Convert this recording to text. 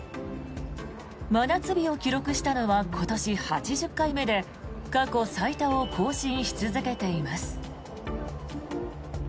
真夏日を記録したのは今年８０回目で過去最多を更新し続けています。